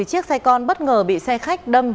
chiếc xe con bất ngờ bị xe khách đâm